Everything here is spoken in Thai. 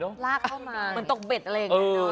พอมาพันเชือกกับมือกับมือ